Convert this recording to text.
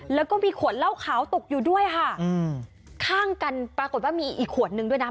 แล้วก็มีขวดเหล้าขาวตกอยู่ด้วยค่ะอืมข้างกันปรากฏว่ามีอีกขวดนึงด้วยนะ